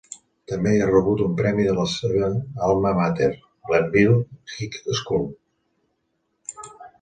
També ha rebut un premi de la seva alma mater, Glenville High School.